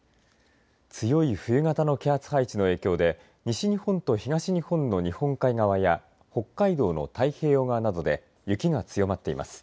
強い冬型の気圧配置の影響で西日本と東日本の日本海側や北海道の太平洋側などで雪が強まっています。